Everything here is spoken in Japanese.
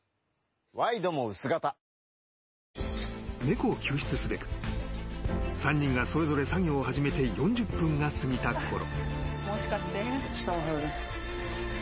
ワイドも薄型［猫を救出すべく３人がそれぞれ作業を始めて４０分が過ぎたころ］